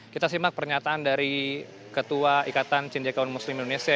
kita simak pernyataan dari ketua ikatan cinjakaun muslim indonesia